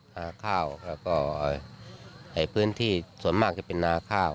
นาข้าวแล้วก็พื้นที่ส่วนมากจะเป็นนาข้าว